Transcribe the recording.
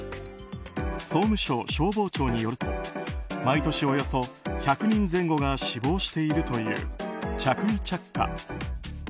総務省消防庁によると毎年、およそ１００人前後が死亡しているという着衣着火。